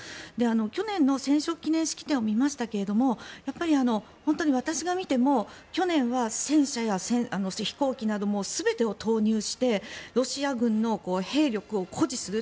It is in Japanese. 去年の戦勝記念式典を見ましたが私が見ても去年は戦車や飛行機なども全てを投入してロシア軍の兵力を誇示する。